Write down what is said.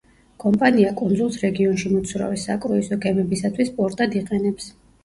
კომპანია კუნძულს რეგიონში მოცურავე საკრუიზო გემებისათვის პორტად იყენებს.